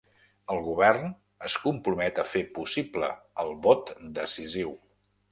El govern es compromet a fer possible el vot decisiu.